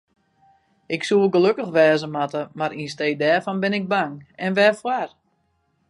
Ik soe gelokkich wêze moatte, mar yn stee dêrfan bin ik bang, en wêrfoar?